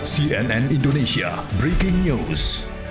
cnn indonesia breaking news